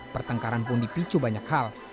pertengkaran pun dipicu banyak hal